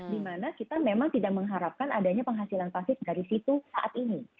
dimana kita memang tidak mengharapkan adanya penghasilan pasif dari situ saat ini